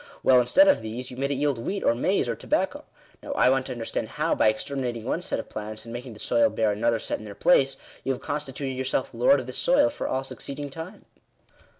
Well, instead of these, you made it yield wheat, or maize, or tobacco. Now I want to understand how, by exterminating one set of plants, and making the soil bear another set in their place, you have constituted yourself lord of this soil for all succeeding time."